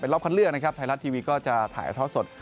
รอบคันเลือกนะครับไทยรัฐทีวีก็จะถ่ายทอดสด